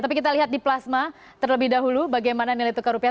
tapi kita lihat di plasma terlebih dahulu bagaimana nilai tukar rupiah